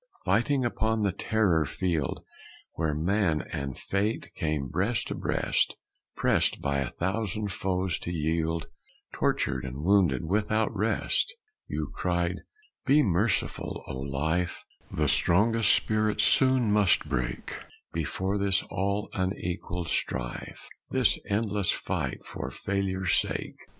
Fighting upon the terror field Where man and Fate came breast to breast, Prest by a thousand foes to yield, Tortured and wounded without rest, You cried: "Be merciful, O Life The strongest spirit soon must break Before this all unequal strife, This endless fight for failure's sake!"